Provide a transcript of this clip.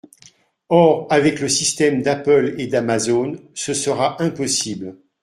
Or, avec le système d’Apple et d’Amazon, ce sera impossible.